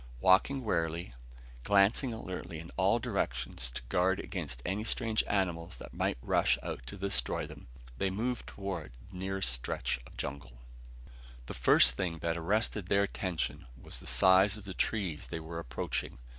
Walking warily, glancing alertly in all directions to guard against any strange animals that might rush out to destroy them, they moved toward the nearest stretch of jungle. The first thing that arrested their attention was the size of the trees they were approaching.